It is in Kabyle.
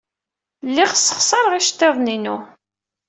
Lliɣ ssexṣareɣ iceḍḍiḍen-inu.